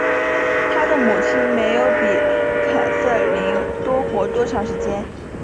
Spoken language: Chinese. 她的母亲没有比凯瑟琳多活多长时间。